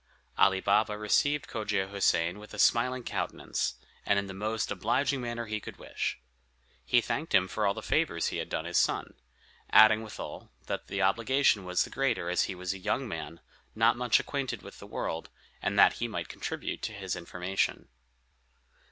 Ali Baba received Cogia Houssain with a smiling countenance, and in the most obliging manner he could wish. He thanked him for all the favors he had done his son; adding withal, the obligation was the greater as he was a young man, not much acquainted with the world, and that he might contribute to his information.